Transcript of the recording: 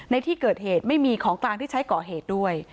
ในที่เกิดเหตุไม่มีของกลางที่ใช้ก่อเหตุด้วย